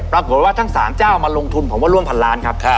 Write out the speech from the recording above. ปรากฏว่าทั้ง๓เจ้ามาลงทุนผมว่าร่วมพันล้านครับ